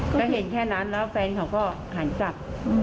ก็เห็นแค่นั้นแล้วแฟนเขาก็หันกลับ